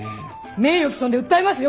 名誉毀損で訴えますよ